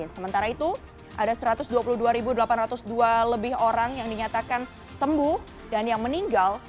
sementara itu ada satu ratus dua puluh dua delapan ratus dua lebih orang yang dinyatakan sembuh dan yang meninggal